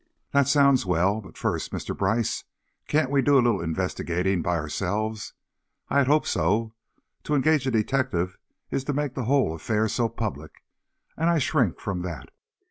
"That sounds well. But first, Mr. Brice, can't we do a little investigating by ourselves? I had hoped so. To engage a detective is to make the whole affair so public, and I shrink from that."